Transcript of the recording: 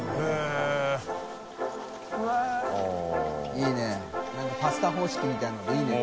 いい何かパスタ方式みたいなのでいいね。